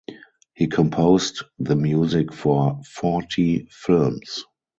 He composed the music for forty films.